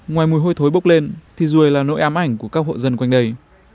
ngoài mùi hôi thối bốc lên thì ruồi là nỗi ám ảnh của các hộ dân quanh đây